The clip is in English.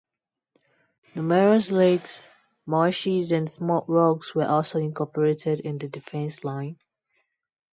Numerous lakes, marshes and small rocks were also incorporated in the defence line.